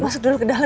masuk dulu ke dalem